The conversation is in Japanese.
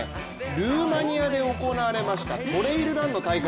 ルーマニアで行われましたトレイルランの大会。